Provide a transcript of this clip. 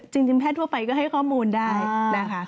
จริงแพทย์ทั่วไปก็ได้ให้ข้อมูลนะคะ